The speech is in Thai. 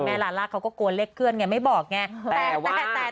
ลาล่าเขาก็กลัวเลขเคลื่อนไงไม่บอกไง